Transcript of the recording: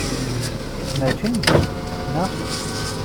Kečč mačči n da, naɣ?